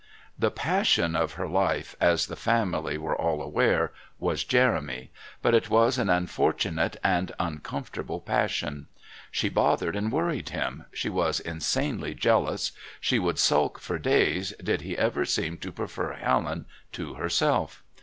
The passion of her life, as the family were all aware, was Jeremy, but it was an unfortunate and uncomfortable passion. She bothered and worried him, she was insanely jealous; she would sulk for days did he ever seem to prefer Helen to herself.